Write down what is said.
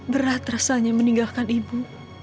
berat rasanya meninggalkan ibu